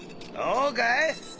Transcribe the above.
そうかい？